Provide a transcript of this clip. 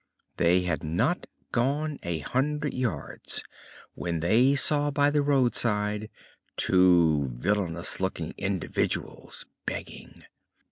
They had not gone a hundred yards when they saw by the roadside two villainous looking individuals begging.